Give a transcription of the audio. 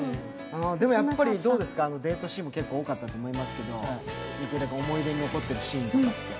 でも、どうですか、デートシーンも多かったと思いますけど思い出に残ってるシーンは。